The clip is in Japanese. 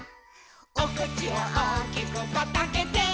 「おくちをおおきくパッとあけて」